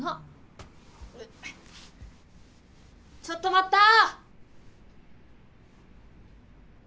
ちょっと待った！